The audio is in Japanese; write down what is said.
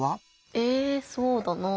えぇそうだなぁ。